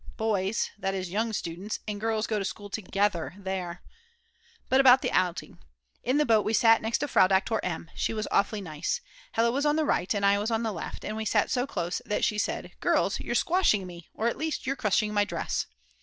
Boys (that is young students) and girls go to school together there!! But about the outing. In the boat we sat next Frau Doktor M., she was awfully nice; Hella was on the right and I was on the left, and we sat so close that she said: "Girls, you're squashing me, or at least you're crushing my dress!"